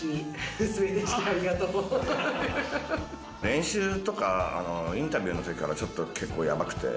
練習とかインタビューのときからちょっと結構ヤバくて。